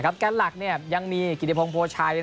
แกนหลักยังมีกิติพงศ์ชัย